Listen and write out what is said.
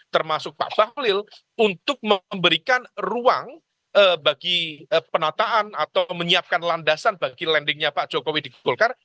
termasuk pak bahlil untuk memberikan ruang bagi penataan atau menyiapkan landasan bagi landingnya pak jokowi di golkar